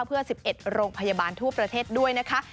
เพื่อ๑๑โรงพยาบาลทั่วประเทศด้วยนะคะ